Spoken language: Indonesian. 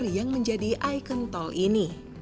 yang menjadi ikon tol ini